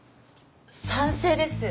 賛成です。